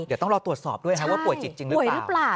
เดี๋ยวต้องรอตรวจสอบด้วยว่าป่วยจิตจริงหรือเปล่า